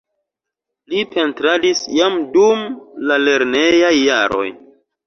Li pentradis jam dum la lernejaj jaroj.